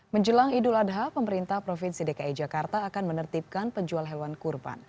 menjelang idul adha pemerintah provinsi dki jakarta akan menertibkan penjual hewan kurban